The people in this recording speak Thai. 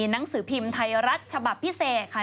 หนังสือพิมพ์ไทยรัฐฉบับพิเศษค่ะ